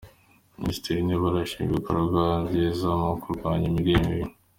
Minisitiri w’Intebe arashima ibikorwa byiza mu kurwanya imirire mibi